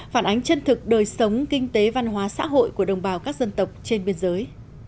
phản ánh chân thực đời sống kinh tế văn hóa xã hội của đồng bào các dân tộc trên biên giới